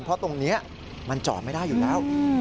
เพราะตรงนี้มันจอดไม่ได้อยู่แล้ว